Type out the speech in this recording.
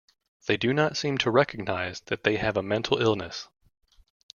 They do not seem to recognize that they have a mental illness.